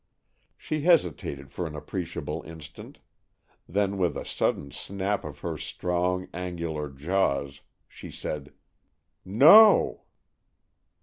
She hesitated for an appreciable instant, then with a sudden snap of her strong, angular jaw, she said, "No!"